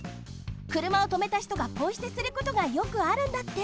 くるまをとめたひとがポイすてすることがよくあるんだって。